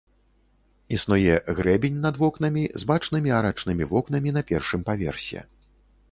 Існуе грэбень над вокнамі, з бачнымі арачнымі вокнамі на першым паверсе.